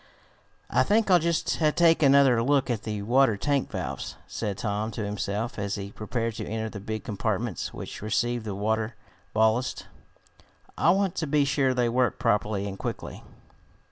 "I think I'll just take another look at the water tank valves," said Tom to himself as he prepared to enter the big compartments which received the water ballast. "I want to be sure they work properly and quickly.